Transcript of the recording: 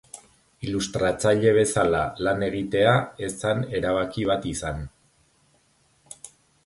Ilustratzaile bezala lan egitea ez zan erabaki bat izan.